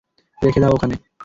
রেখে দাও ওখানে!